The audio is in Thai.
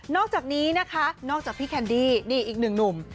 อกจากนี้นะคะนอกจากพี่แคนดี้นี่อีกหนึ่งหนุ่ม